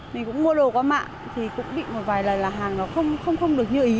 mình cũng mua đồ qua mạng thì cũng bị một vài lần là hàng nó không được như ý